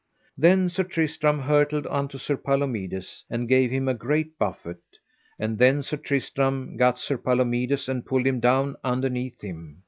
Then Sir Tristram hurtled unto Sir Palomides and gave him a great buffet, and then Sir Tristram gat Sir Palomides and pulled him down underneath him.